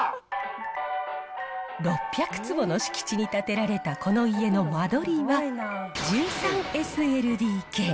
６００坪の敷地に建てられたこの家の間取りは、１３ＳＬＤＫ。